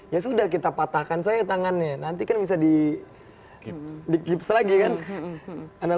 ya sudah kita patahkan saja tangannya nanti kan bisa di gips lagi kan